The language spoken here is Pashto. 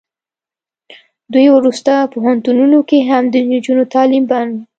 دوی ورسته پوهنتونونو کې هم د نجونو تعلیم بند